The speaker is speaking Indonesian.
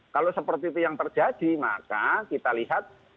kalau seperti itu yang terjadi maka kita lihat